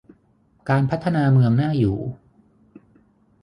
การพัฒนาเมืองน่าอยู่